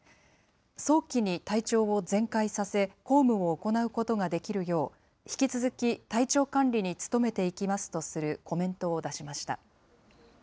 早期に体調を全快させ、公務を行うことができるよう、引き続き体調管理に努めていきますとするコメントを出しました。